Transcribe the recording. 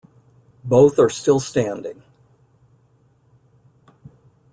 Both are still standing.